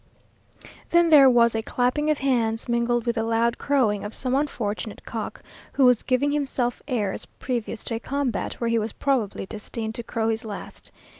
Then there was a clapping of hands, mingled with the loud crowing of some unfortunate cock, who was giving himself airs previous to a combat where he was probably destined to crow his last.